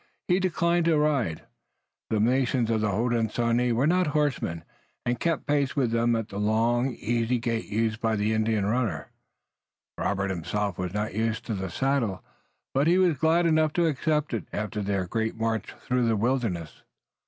But he declined to ride the nations of the Hodenosaunee were not horsemen, and kept pace with them at the long easy gait used by the Indian runner. Robert himself was not used to the saddle, but he was glad enough to accept it, after their great march through the wilderness.